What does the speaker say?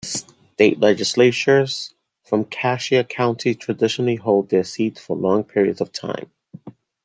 State legislators from Cassia County traditionally hold their seats for long periods of time.